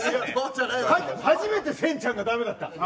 初めてせんちゃんが駄目だった。